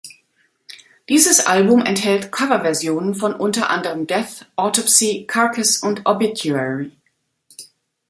Dieses Album enthält Coverversionen von unter anderem Death, Autopsy, Carcass und Obituary.